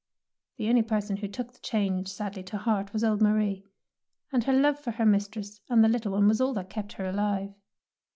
The only person who took the change sadly to heart was old Marie, and her love for her mistress and the little one was all that kept her alive.